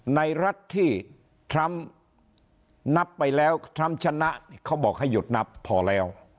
รัฐที่ทรัมป์นับไปแล้วทรัมป์ชนะเขาบอกให้หยุดนับพอแล้ว